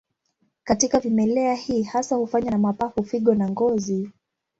Katika vimelea hii hasa hufanywa na mapafu, figo na ngozi.